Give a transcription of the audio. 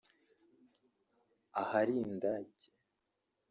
ahari indake